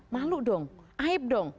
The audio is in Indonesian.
malu dong aib dong